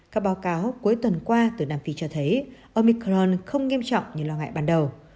các báo cáo cuối tuần qua từ nam phi cho thấy ông micron không nghiêm trọng như lo ngại ban đầu